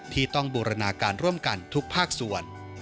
ที่ต้องบูรณาการร่วมกันทุกภาคส่วน